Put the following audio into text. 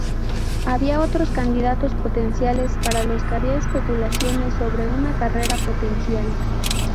Había otros candidatos potenciales para los que había especulaciones sobre una carrera potencial.